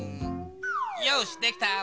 よしできた！